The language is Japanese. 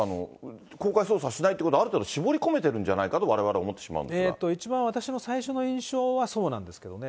公開捜査しないっていうことは、ある程度、絞り込めてるんじゃないかとわれわれ思ってしまうんで一番私の最初の印象はそうなんですけどね。